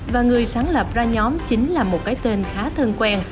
và người sáng lập ra nhóm chính là một cái tên khá thân quen